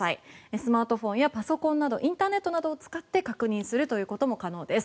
スマートフォンやパソコンなどインターネットを使って確認することも可能です。